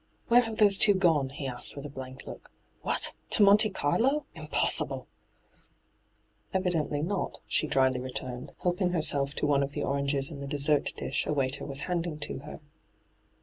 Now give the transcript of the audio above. ' Where have those two gone V he asked with a blank look. ' What ! to Monte Carlo ? Impossible !'' Evidently not,' she dryly returned, helping herself to one of the oranges in the dessert dish a waiter was handing to her.